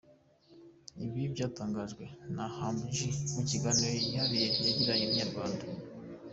Ibi byatangajwe na Humble G mu kiganiro kihariye yagiranye na Inyarwanda.